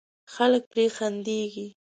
خلک پرې خندېږي.